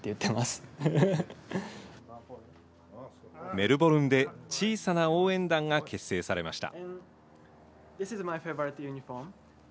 メルボルンで小さな応援団が結成されました。